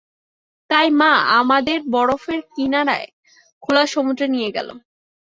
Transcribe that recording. তাই মা আমাদের বরফের কিনারায়, খোলা সমুদ্রে নিয়ে গেল।